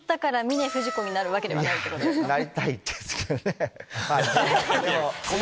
なりたいですけどね。